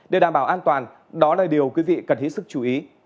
để đảm bảo an toàn đó là điều quý vị cần hết sức chú ý